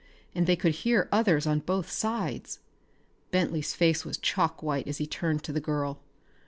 And they could hear others on both sides. Bentley's face was chalk white as he turned to the girl.